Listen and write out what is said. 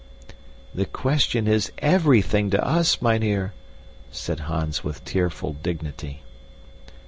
'" "The question is EVERYTHING to us, mynheer," said Hans with tearful dignity.